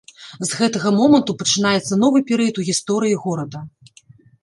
З гэтага моманту пачынаецца новы перыяд у гісторыі горада.